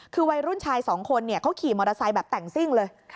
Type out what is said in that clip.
คือวัยรุ่นชายสองคนเขาขี่มอเตอร์ไซค์แบบแต่งซิ่งเลย